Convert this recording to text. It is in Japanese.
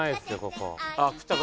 ここ。